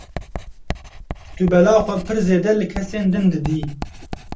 Tu bela xwe pir zêde li kesên din didî.